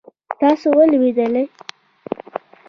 تاسو ولوېدلئ؟